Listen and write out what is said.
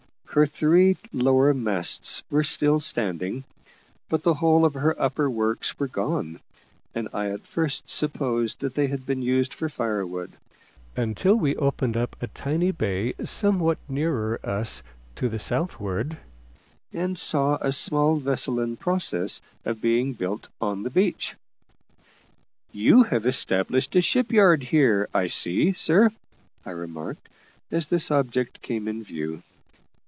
Her three lower masts were still standing, but the whole of her upper works were gone, and I at first supposed that they had been used for fire wood, until we opened up a tiny bay somewhat nearer us to the southward, and saw a small vessel in process of being built on the beach. "You have established a ship yard here, I see, sir," I remarked, as this object came in view.